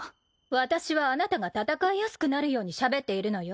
私はあなたが戦いやすくなるようにしゃべっているのよ。